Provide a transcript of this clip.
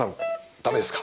ダメですか？